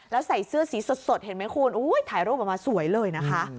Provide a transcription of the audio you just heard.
แล้วใส่เสื้อสีสดเห็นไหมคุณถ่ายรูปออกมาสวยเลยนะคะ